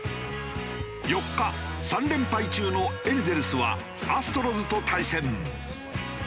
４日３連敗中のエンゼルスはアストロズと対戦。